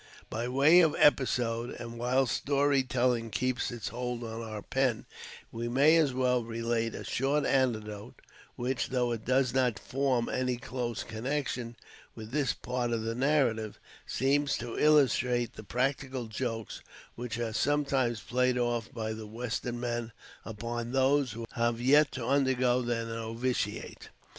By way of episode, and while story telling keeps its hold on our pen, we may as well relate a short anecdote, which, though it does not form any close connection with this part of the narrative, seems to illustrate the practical jokes which are sometimes played off by the western men upon those who have yet to undergo their novitiate.